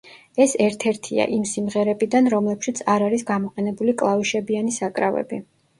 ეს ერთ-ერთია იმ სიმღერებიდან, რომლებშიც არ არის გამოყენებული კლავიშებიანი საკრავები.